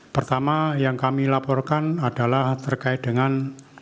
pertama yang kami laporkan adalah terkait dengan